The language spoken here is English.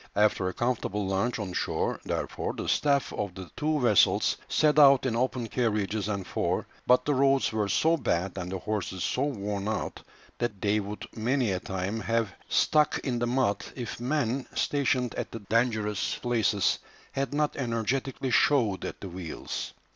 After a comfortable lunch on shore, therefore, the staff of the two vessels set out in open carriages and four; but the roads were so bad and the horses so worn out that they would many a time have stuck in the mud if men stationed at the dangerous places had not energetically shoved at the wheels.